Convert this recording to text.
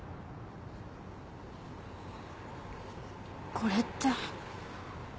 これって。